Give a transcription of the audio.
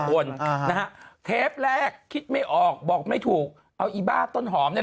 คนนะฮะเทปแรกคิดไม่ออกบอกไม่ถูกเอาอีบ้าต้นหอมเนี่ย